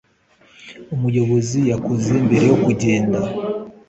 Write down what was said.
umuyobozi yakoze mbere yo kugenda.